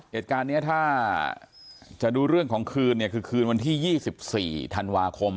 เหตุการณ์นี้ถ้าจะดูเรื่องของคืนเนี่ยคือคืนวันที่๒๔ธันวาคม